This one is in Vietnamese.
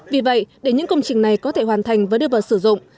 vì vậy để những công trình này có thể hoàn thành và đưa vào sử dụng